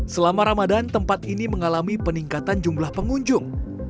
selama ramadan tempat ini mengalami peningkatan jumlah pengunjung